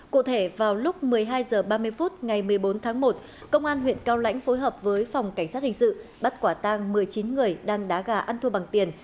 cụ thể vào lúc một mươi hai h ba mươi phút ngày một mươi bốn tháng một công an huyện cao lãnh phối hợp với phòng cảnh sát hình sự bắt quả tang một mươi chín người đang đá gà ăn thua bằng tiền